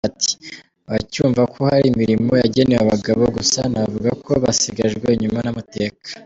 Ati” Abacyumva ko hari imirimo yagenewe abagabo gusa navuga ko basigajwe inyuma n’amateka.